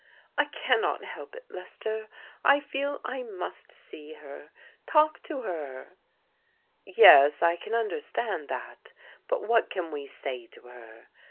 " I cannot help it, Lester. I fed I must see her — ^talk to her." " Yes, I can understand that, but what can we say to her?